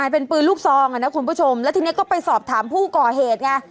เป็นปืนลูกซองอ่ะนะคุณผู้ชมแล้วทีนี้ก็ไปสอบถามผู้ก่อเหตุไง